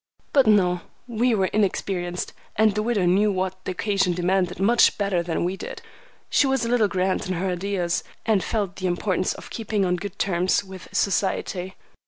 But no; we were inexperienced, and the widow knew what the occasion demanded much better than we did. She was a little grand in her ideas, and felt the importance of keeping on good terms with society.